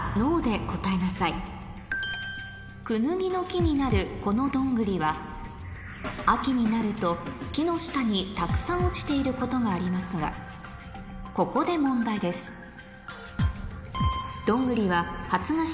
クヌギの木になる秋になると木の下にたくさん落ちていることがありますがここで問題ですハァ。